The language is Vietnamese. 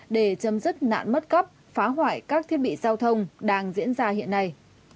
để chấm dứt nạn mất cắp phá hoại các thiết bị giao thông đang diễn ra hiện nay